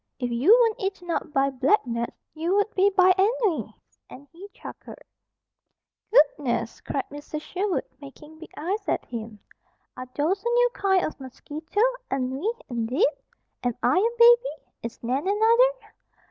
If you weren't eaten up by black gnats, you would be by ennui," and he chuckled. "Goodness!" cried Mrs. Sherwood, making big eyes at him. "Are those a new kind of mosquito? Ennui, indeed! Am I a baby? Is Nan another?"